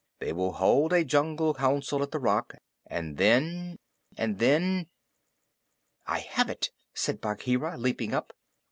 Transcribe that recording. They will hold a jungle Council at the Rock, and then and then I have it!" said Bagheera, leaping up.